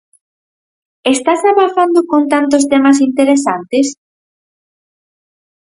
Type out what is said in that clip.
Estás abafando con tantos temas interesantes?